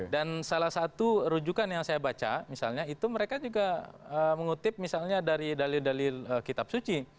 dan salah satu rujukan yang saya baca misalnya itu mereka juga mengutip misalnya dari dalil dalil kitab suci